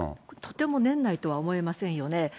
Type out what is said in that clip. とても年内とは思えませんよね。